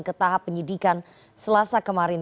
ke tahap penyidikan selasa kemarin